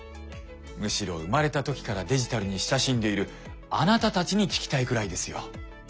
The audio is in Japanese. むしろ生まれた時からデジタルに親しんでいるあなたたちに聞きたいくらいですよ。